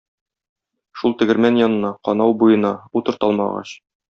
Шул тегермән янына, канау буена, утырт алмагач.